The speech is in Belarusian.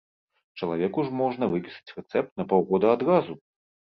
Чалавеку ж можна выпісаць рэцэпт на паўгода адразу!